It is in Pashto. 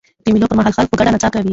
د مېلو پر مهال خلک په ګډه نڅا کوي.